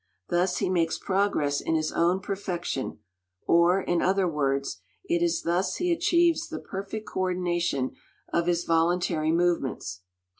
Thus he makes progress in his own perfection, or, in other words, it is thus he achieves the perfect coordination of his voluntary movements.